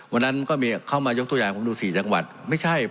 วันนั้นก็มีเข้ามายกตัวอย่างผมดู๔จังหวัดไม่ใช่